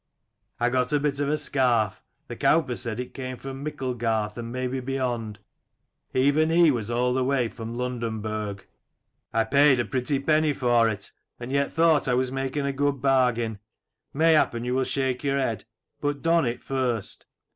I got a bit of a scarf: the cowper said it came from Micklegarth and maybe beyond : even he was all the way from Londonburg. I paid a pretty penny for it, and yet thought I was making a good bargain. Mayhappen you will shake your head : but don it first.